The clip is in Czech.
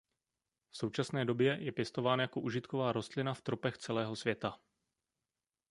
V současné době je pěstován jako užitková rostlina v tropech celého světa.